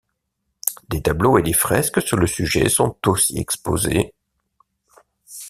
Des tableaux et des fresques sur le sujet sont aussi exposés.